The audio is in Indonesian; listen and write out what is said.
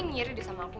ngeri dia sama aku